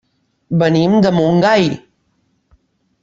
Venim de Montgai.